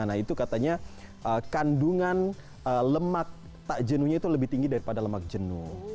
nah itu katanya kandungan lemak tak jenuhnya itu lebih tinggi daripada lemak jenuh